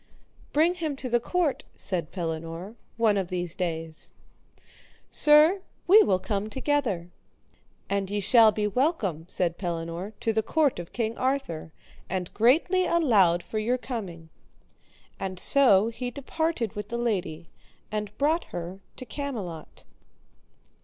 Bring him to the court, said Pellinore, one of these days. Sir, we will come together. And ye shall be welcome, said Pellinore, to the court of King Arthur, and greatly allowed for your coming. And so he departed with the lady, and brought her to Camelot.